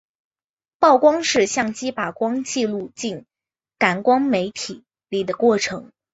曝光是相机把光记录进感光媒体里的过程。